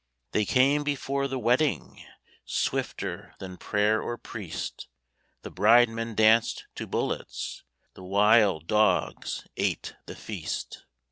They came before the wedding, Swifter than prayer or priest; The bride men danced to bullets, The wild dogs ate the feast.